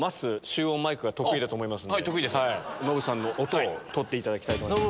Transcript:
集音マイクが得意だと思いますのでノブさんの音を録っていただきたいと思います。